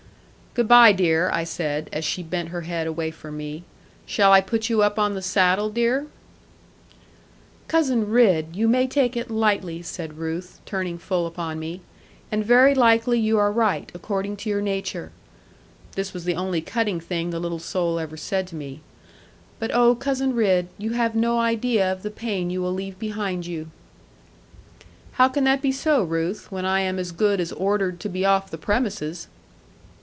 'Good bye dear,' I said, as she bent her head away from me; 'shall I put you up on the saddle, dear?' 'Cousin Ridd, you may take it lightly,' said Ruth, turning full upon me, 'and very likely you are right, according to your nature' this was the only cutting thing the little soul ever said to me 'but oh, Cousin Ridd, you have no idea of the pain you will leave behind you.' 'How can that be so, Ruth, when I am as good as ordered to be off the premises?'